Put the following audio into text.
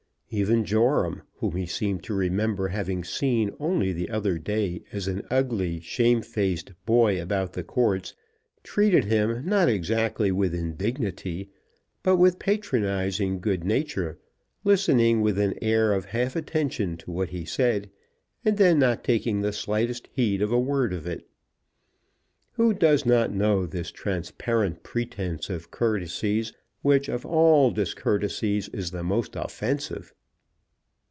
Even Joram, whom he seemed to remember having seen only the other day as an ugly shame faced boy about the courts, treated him, not exactly with indignity, but with patronising good nature, listening with an air of half attention to what he said, and then not taking the slightest heed of a word of it. Who does not know this transparent pretence of courtesies, which of all discourtesies is the most offensive?